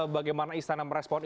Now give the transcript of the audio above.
bagaimana istana meresponnya